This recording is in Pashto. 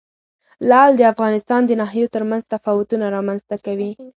لعل د افغانستان د ناحیو ترمنځ تفاوتونه رامنځ ته کوي.